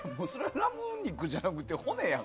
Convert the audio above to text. ラム肉じゃなくて骨やん。